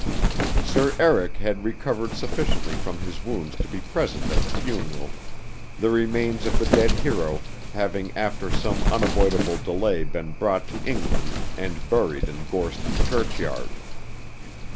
Sir Eric had recovered sufficiently from his wounds to be present at the funeral, the remains of the dead hero having after some unavoidable delay been brought to England and buried in Gorston churchyard.